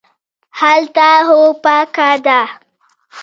هلته هوا پاکه ده